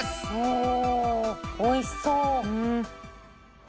「おお美味しそう」